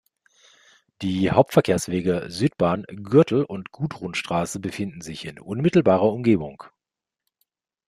Die Hauptverkehrswege Südbahn, Gürtel und Gudrunstraße befinden sich in unmittelbarer Umgebung.